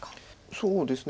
そうですね。